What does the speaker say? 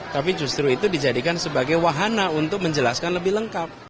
tapi justru itu dijadikan sebagai wahana untuk menjelaskan lebih lengkap